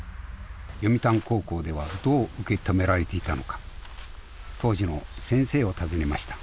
読谷高校ではどう受け止められていたのか当時の先生を訪ねました。